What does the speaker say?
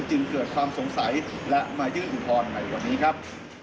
จึงเกิดความสงสัยและมายื่นหุ่นพลใหม่กว่านี้ครับ